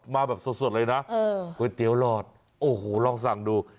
มาแบบสดเลยนะก๋วยเตี๋ยวหลอดโอ้โหลองสั่งดู